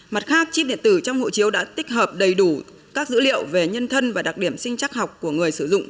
mặt khác chip điện tử trong hộ chiếu đã tích hợp đầy đủ các dữ liệu về nhân thân và đặc điểm sinh chắc học của người sử dụng